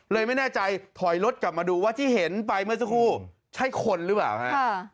ไม่แน่ใจถอยรถกลับมาดูว่าที่เห็นไปเมื่อสักครู่ใช่คนหรือเปล่าฮะ